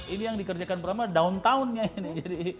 ini yang dikerjakan pertama downtownnya ini